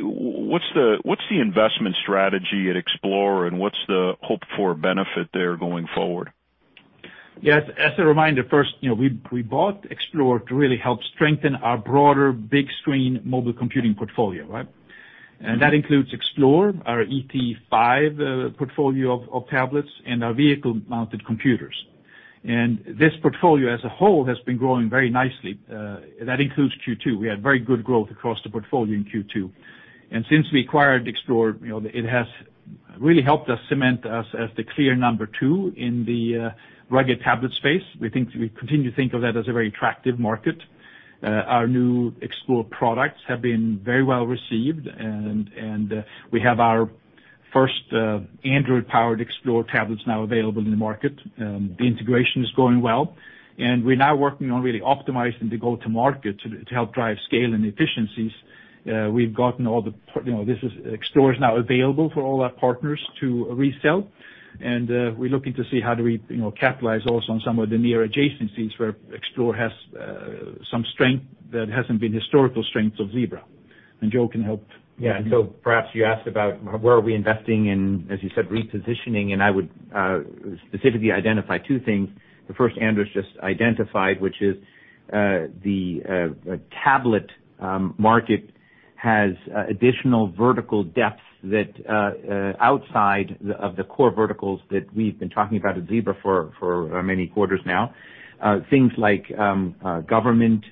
what's the investment strategy at Xplore, and what's the hope for benefit there going forward? Yes. As a reminder, first, we bought Xplore to really help strengthen our broader big screen mobile computing portfolio, right? That includes Xplore, our ET5 portfolio of tablets, and our vehicle-mounted computers, and this portfolio as a whole has been growing very nicely. That includes Q2. We had very good growth across the portfolio in Q2. Since we acquired Xplore, it has really helped us cement us as the clear number two in the rugged tablet space. We continue to think of that as a very attractive market. Our new Xplore products have been very well received, and we have our first, Android powered Xplore tablets now available in the market. The integration is going well, and we're now working on really optimizing the go-to-market to help drive scale and efficiencies. Xplore is now available for all our partners to resell, and we're looking to see how do we, you know, capitalize also on some of the near adjacencies where Xplore has some strength that hasn't been historical strengths of Zebra, and Joe can help. Perhaps you asked about where are we investing in, as you said, repositioning, and I would specifically identify two things. The first Anders just identified, which is the tablet market has additional vertical depth that outside of the core verticals that we've been talking about at Zebra for many quarters now. Things like government,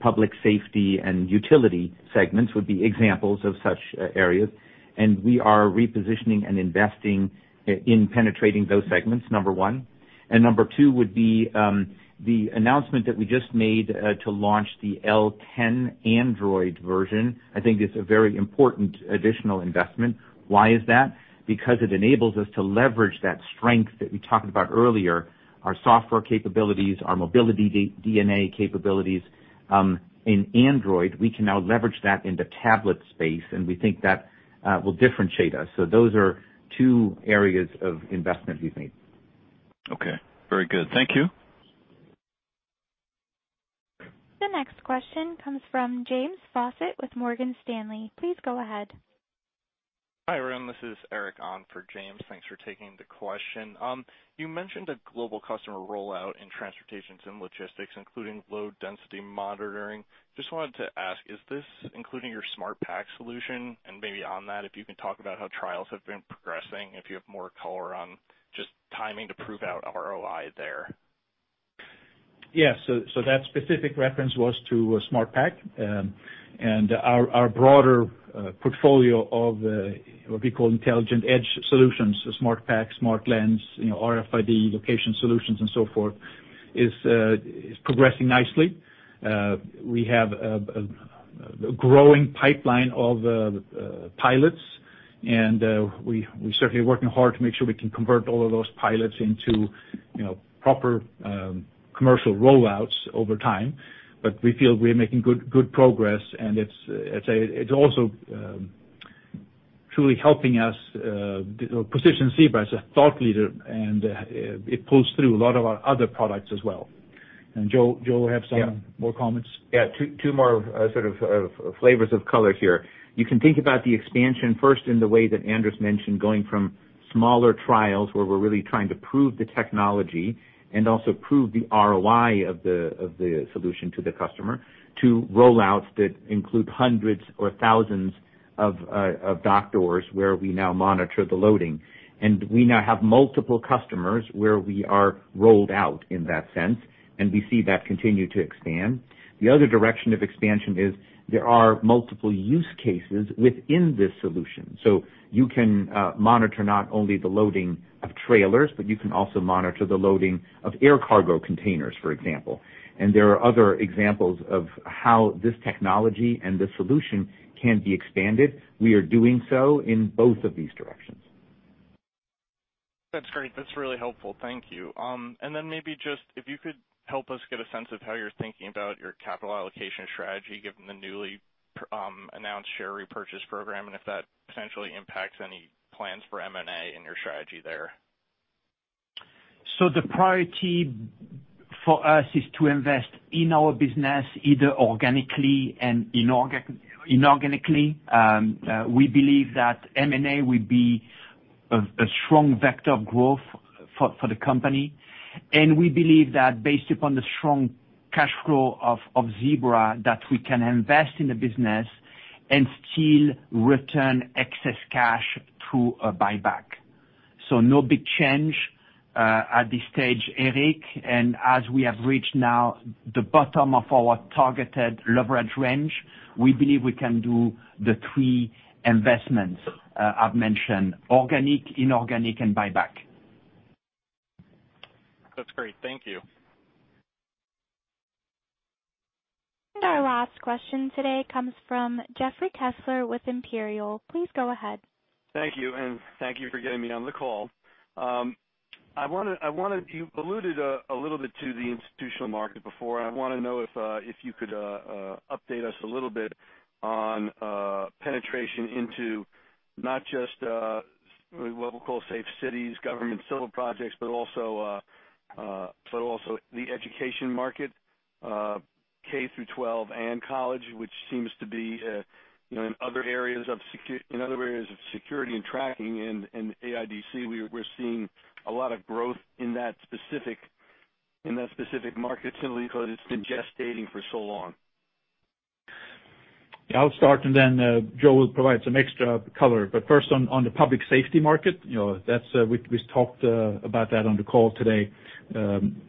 public safety, and utility segments would be examples of such areas, and we are repositioning and investing in penetrating those segments, number one. Number two would be the announcement that we just made to launch the L10 Android version. I think it's a very important additional investment. Why is that? It enables us to leverage that strength that we talked about earlier, our software capabilities, our Mobility DNA capabilities. In Android, we can now leverage that in the tablet space, and we think that will differentiate us. Those are two areas of investment we've made. Okay, very good. Thank you. The next question comes from James Fawcett with Morgan Stanley. Please go ahead. Hi, everyone. This is Eric on for James. Thanks for taking the question. You mentioned a global customer rollout in Transportation and Logistics, including load density monitoring. I just wanted to ask, is this including your SmartPack solution? Maybe on that, if you can talk about how trials have been progressing, if you have more color on just timing to prove out ROI there. Yeah, so that specific reference was to SmartPack. Our broader portfolio of what we call intelligent edge solutions, SmartPack, SmartLens, RFID location solutions and so forth, is progressing nicely. We have a growing pipeline of pilots, and we're certainly working hard to make sure we can convert all of those pilots into proper commercial rollouts over time. We feel we're making good progress, and it's also truly helping us position Zebra as a thought leader, and it pulls through a lot of our other products as well. Joe will have some more comments. Yeah. Two more sort of flavors of color here. You can think about the expansion first in the way that Anders mentioned, going from smaller trials where we're really trying to prove the technology, and also prove the ROI of the solution to the customer, to rollouts that include 100s or 1,000s of dock doors where we now monitor the loading. We now have multiple customers where we are rolled out in that sense, and we see that continue to expand. The other direction of expansion is there are multiple use cases within this solution. You can monitor not only the loading of trailers, but you can also monitor the loading of air cargo containers, for example. There are other examples of how this technology and this solution can be expanded. We are doing so in both of these directions. That's great. That's really helpful. Thank you, and then maybe just if you could help us get a sense of how you're thinking about your capital allocation strategy, given the newly announced share repurchase program, and if that potentially impacts any plans for M&A in your strategy there. The priority for us is to invest in our business, either organically and inorganically. We believe that M&A will be a strong vector of growth for the company, and we believe that based upon the strong cash flow of Zebra, that we can invest in the business and still return excess cash through a buyback. No big change at this stage, Eric. As we have reached now the bottom of our targeted leverage range, we believe we can do the three investments I have mentioned, organic, inorganic, and buyback. That's great. Thank you. Our last question today comes from Jeffrey Kessler with Imperial. Please go ahead. Thank you, and thank you for getting me on the call. You alluded a little bit to the institutional market before. I want to know if you could update us a little bit on penetration into not just what we'll call safe cities, government civil projects, but also the education market, K through 12 and college, which seems to be, you know, in other areas of security and tracking and AIDC, we're seeing a lot of growth in that specific market simply because it's been gestating for so long. Yeah, I'll start and then Joe will provide some extra color, but first, on the public safety market, we talked about that on the call today.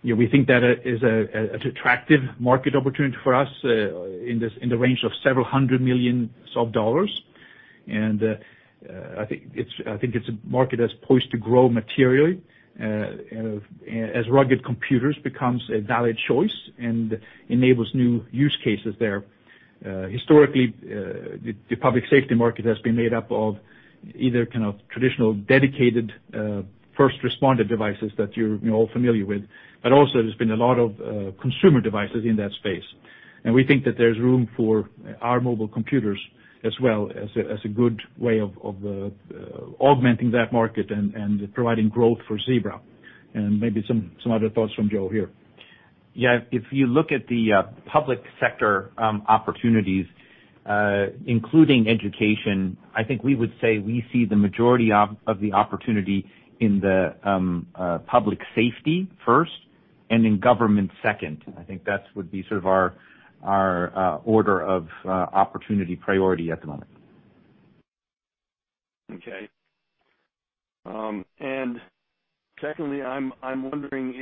We think that is an attractive market opportunity for us in the range of several $100 millions, and I think it's a market that's poised to grow materially as rugged computers becomes a valid choice and enables new use cases there. Historically, the public safety market has been made up of either traditional dedicated first responder devices that you're all familiar with. Also, there's been a lot of consumer devices in that space. We think that there's room for our mobile computers as well as a good way of augmenting that market, and providing growth for Zebra, and maybe some other thoughts from Joe here. Yeah. If you look at the public sector opportunities, including education, I think we would say we see the majority of the opportunity in the public safety first and in government second. I think that would be sort of our order of opportunity priority at the moment. Okay. Secondly, I'm wondering,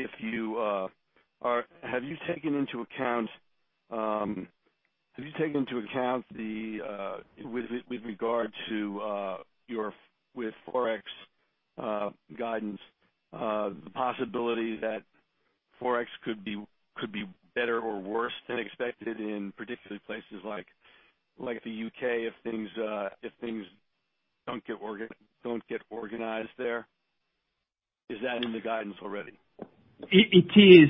have you taken into account with regard to your Forex guidance, the possibility that Forex could be better or worse than expected in particular places like the U.K., if things don't get organized there? Is that in the guidance already? It is,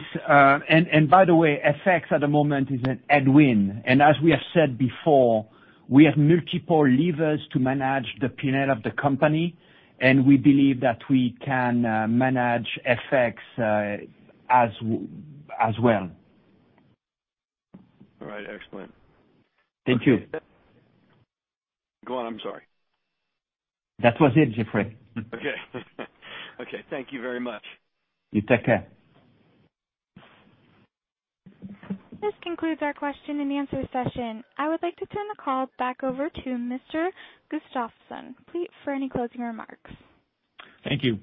and by the way, FX at the moment is a headwind. As we have said before, we have multiple levers to manage the P&L of the company, and we believe that we can manage FX as well. All right. Excellent. Thank you. Go on. I'm sorry. That was it, Jeffrey. Okay, okay, thank you very much. You take care. This concludes our question and answer session. I would like to turn the call back over to Mr. Gustafsson, please, for any closing remarks. Thank you.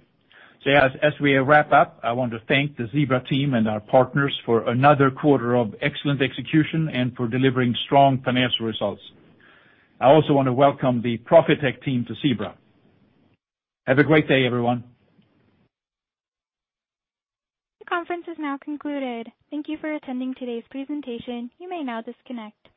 Yeah. As we wrap up, I want to thank the Zebra team and our partners for another quarter of excellent execution and for delivering strong financial results. I also want to welcome the Profitect team to Zebra. Have a great day, everyone. The conference is now concluded. Thank you for attending today's presentation. You may now disconnect.